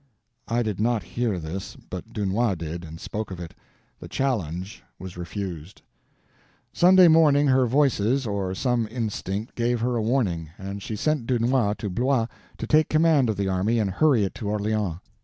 I did not hear this, but Dunois did, and spoke of it. The challenge was refused. Sunday morning her Voices or some instinct gave her a warning, and she sent Dunois to Blois to take command of the army and hurry it to Orleans.